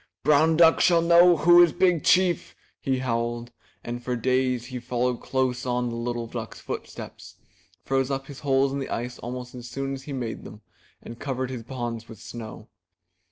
''Brown duck shall know who is Big Chief! he howled, and for days he followed close on the little duck*s footsteps, froze up his holes in the ice almost as soon as he made them and covered his ponds with snow.